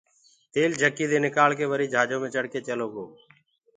تيل جھڪيٚ دي نڪݪڪي وريٚ جھاجو مي چڙه ڪي چيلو گو